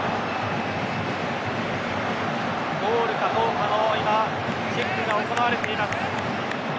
ゴールかどうかのチェックが行われています。